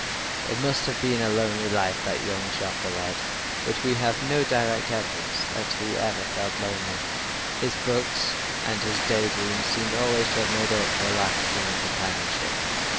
It must have been a lonely life that young Joffre led but we have no direct evidence that he ever felt lonely. His books and his day dreams seem always to have made up for a lack of human companionship.